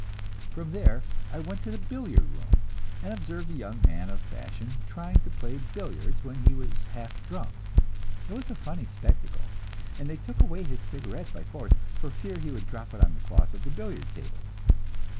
From there I went to the billiard room, and observed a young man of fashion trying to play billiards when he was half drunk. It was a funny spectacle, and they took away his cigarette by force, for fear he would drop it on the cloth of the billiard table.